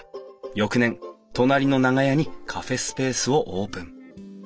翌年隣の長屋にカフェスペースをオープン。